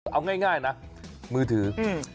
เอาง่ายนะมือถือ